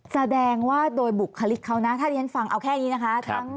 แสดงว่าโดยบุคลิกเขานะถ้าที่ฉันฟังเอาแค่นี้นะคะ